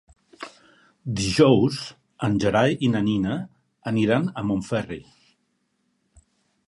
Dijous en Gerai i na Nina aniran a Montferri.